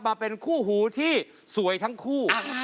มาเป็นคู่หูที่สวยทั้งคู่